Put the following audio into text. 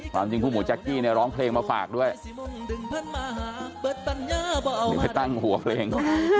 ความจริงผู้หมูแจ๊กกี้เนี่ยร้องเพลงมาฝากด้วยไปตั้งหัวเพลง